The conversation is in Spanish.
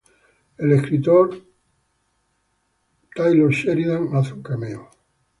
El escritor Taylor Sheridan hace un cameo.